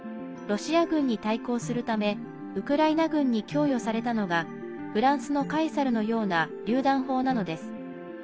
ロシア軍に対抗するためウクライナ軍に供与されたのがフランスの「カエサル」のようなりゅう弾砲なのです。